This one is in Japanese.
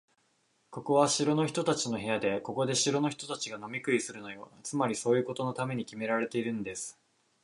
ここは城の人たちの部屋で、ここで城の人たちが飲み食いするのよ。つまり、そういうことのためにきめられているんです。